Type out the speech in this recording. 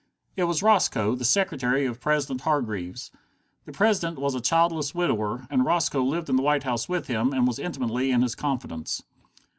It was Roscoe, the secretary of President Hargreaves. The President was a childless widower, and Roscoe lived in the White House with him and was intimately in his confidence.